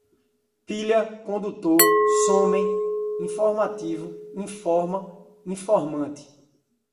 pilha, condutor, somem, informativo, informa, informante